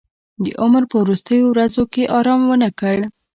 د عمر په وروستیو ورځو کې ارام ونه کړ.